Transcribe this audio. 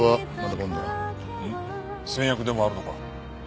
先約でもあるのか？